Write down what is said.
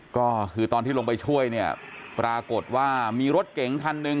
ก็คือตอนที่ลงไปช่วยเนี่ยปรากฏว่ามีรถเก๋งคันหนึ่ง